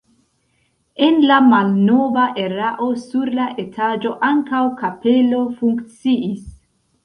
En la malnova erao sur la etaĝo ankaŭ kapelo funkciis.